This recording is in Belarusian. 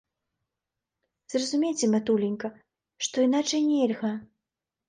Зразумейце, матуленька, што іначай нельга.